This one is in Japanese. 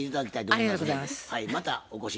ありがとうございます。